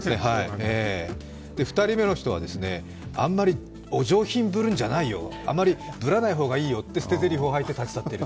２人目の人は、あんまりお上品ぶるんじゃないよ、あまり、ぶらない方がいいよって捨てぜりふを吐いて立ち去っている。